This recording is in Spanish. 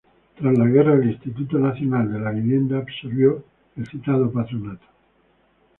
Tras la guerra, el Instituto Nacional de la Vivienda absorbió el citado patronato.